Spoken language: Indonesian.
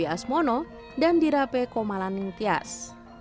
di duyasmono dan di rape komalaningtyas